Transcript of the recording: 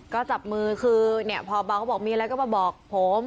ก็จับมือคือเนี่ยพอเบาเขาบอกมีอะไรก็มาบอกผม